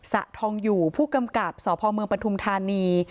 สะทองอยู่ผู้กำกับสพบรรทุมธานี